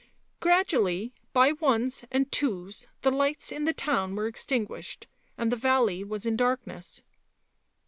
Gradually, by ones and tw r os, the lights in the town were extinguished and the valley was in darkness.